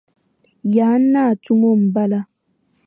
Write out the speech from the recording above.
Yaan naa tumo m-bala.